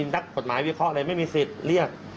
นักกฎหมายวิเคราะห์เลยไม่มีสิทธิ์เรียก